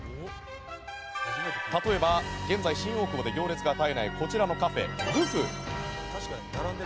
例えば現在、新大久保で行列が絶えないこちらのカフェ、ＧＵＦ。